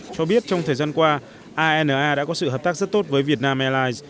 cho biết trong thời gian qua ana đã có sự hợp tác rất tốt với việt nam airlines